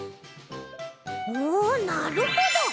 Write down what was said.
おなるほど！